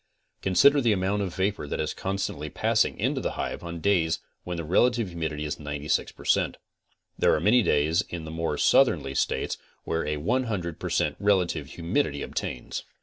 Consider the amount of vapor that is constantly, passing into the hive on days when the relative humidity is 96 per cent. There are many days in the more southerly states when a 100 per cent relative humidity obtains.